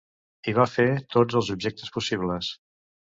Hi va fer tots els objectes possibles.